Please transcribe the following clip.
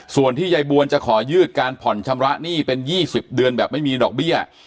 ส่วนที่ยายบวนจะขอยืดการผ่อนชำระหนี้เป็น๒๐เดือนแบบไม่มีดอกเบี้ย